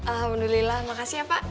alhamdulillah makasih ya pak